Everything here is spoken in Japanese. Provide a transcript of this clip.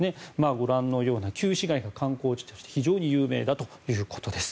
ご覧のような旧市街が観光地として非常に有名だということです。